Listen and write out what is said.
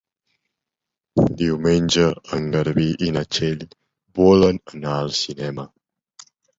Diumenge en Garbí i na Txell volen anar al cinema.